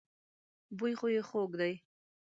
بوی خو يې خوږ دی.